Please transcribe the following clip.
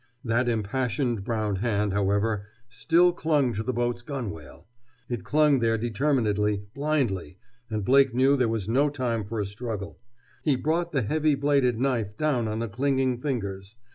That impassioned brown hand, however, still clung to the boat's gunwale. It clung there determinedly, blindly—and Blake knew there was no time for a struggle. He brought the heavy bladed knife down on the clinging fingers.